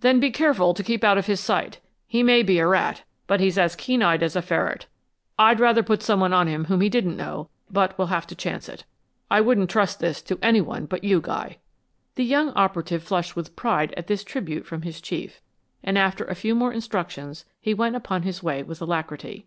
"Then be careful to keep out of his sight. He may be a rat, but he's as keen eyed as a ferret. I'd rather put some one on him whom he didn't know, but we'll have to chance it. I wouldn't trust this to anyone but you, Guy." The young operative flushed with pride at this tribute from his chief, and after a few more instructions he went upon his way with alacrity.